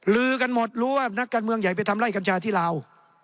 ลือกันหมดรู้ว่านักการเมืองใหญ่ไปทำไล่กัญชาที่ลาว